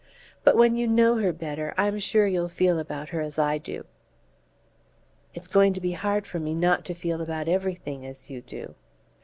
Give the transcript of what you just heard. But when you know her better I'm sure you'll feel about her as I do." "It's going to be hard for me not to feel about everything as you do."